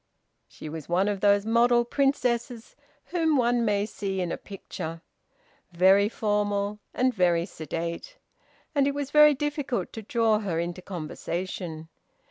She was one of those model princesses whom one may see in a picture very formal and very sedate and it was very difficult to draw her into conversation.